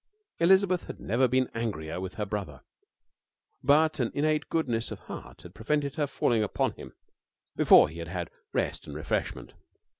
Elizabeth had never been angrier with her brother, but an innate goodness of heart had prevented her falling upon him before he had had rest and refreshment.